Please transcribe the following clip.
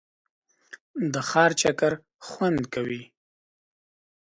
د ښار چکر خوند کوي.